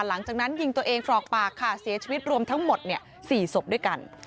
หลังจากนั้นยิงตัวเองตรอกปากค่ะเสียชีวิตรวมทั้งหมด๔ศพด้วยกัน